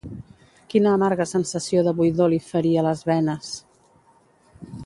Quina amarga sensació de buidor li feria les venes!